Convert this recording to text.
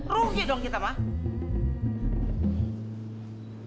rugi dong kita mah